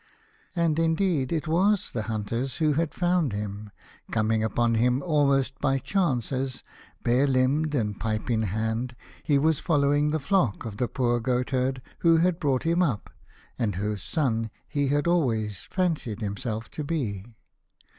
And, indeed, it was the hunters who had found him, coming upon him almost by chance as, bare limbed and pipe in hand, he was fol lowing the flock of the poor goatherd who had brought him up, and whose son he had always fancied himself to be.